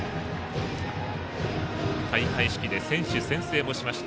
開会式で選手宣誓もしました。